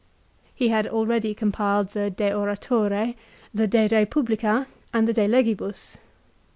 He had already compiled the " De Oratore," the "De Eepublica," and the "De Legibus."